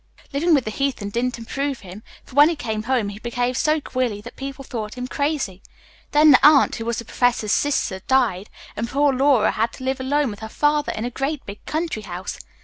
"Living with the heathen didn't improve him, for when he came home he behaved so queerly that people thought him crazy. Then the aunt, who was the professor's sister, died, and poor Laura had to live alone with her father in a great big country house.